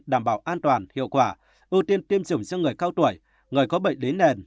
đảm bảo an toàn hiệu quả ưu tiên tiêm chủng cho người cao tuổi người có bệnh lý nền